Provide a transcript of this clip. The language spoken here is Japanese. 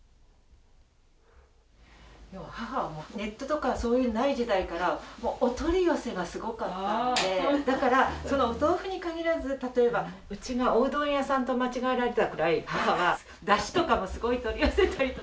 母はネットとかそういうのない時代からお取り寄せがすごかったのでだからおとうふに限らず例えばうちがおうどん屋さんと間違えられたくらい母はだしとかもすごい取り寄せたりとかしてたんで。